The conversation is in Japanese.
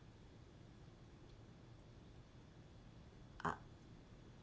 あっ。